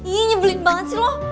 ii nyebelin banget sih lo